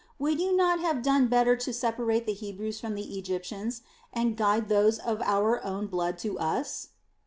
Would you not have done better to separate the Hebrews from the Egyptians, and guide those of our own blood to us?"